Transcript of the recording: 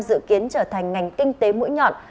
dự kiến trở thành ngành kinh tế mũi nhọn